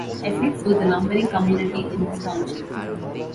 Essex was a lumbering community in this township.